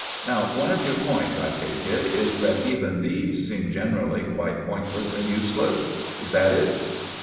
Now one of your points, I take it, is that even these seem generally quite pointless and useless ? Is that it